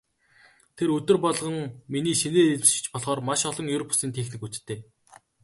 Тэр өдөр болгон миний шинээр эзэмшиж болохоор маш олон ер бусын техникүүдтэй.